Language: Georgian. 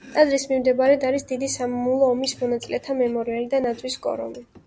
ტაძრის მიმდებარედ არის დიდი სამამულო ომის მონაწილეთა მემორიალი და ნაძვის კორომი.